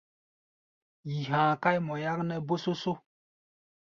Yi ha̧a̧ káí mɔ yáknɛ́ bósósó.